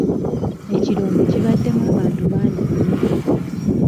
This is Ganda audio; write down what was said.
Ekirombe kibaddemu abantu bangi nnyo.